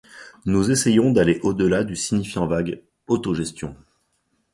Nous essayons d'aller au-delà du signifiant vague "Autogestion"